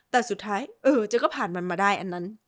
แต่สุดท้ายเออเจ๊ก็ผ่านมันมาได้อันนั้น